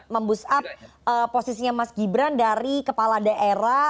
mem boost up posisinya mas gibran dari kepala daerah